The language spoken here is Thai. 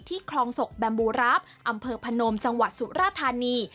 คลองศกแบมบูราฟอำเภอพนมจังหวัดสุราธานี